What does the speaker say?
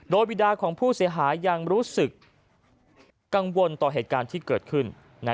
โดยบิดาของผู้เสียหายยังรู้สึกกังวลต่อเหตุการณ์ที่เกิดขึ้น